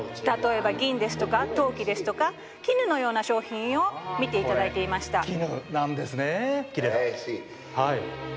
例えば銀ですとか陶器ですとか絹のような商品を見ていただいていました。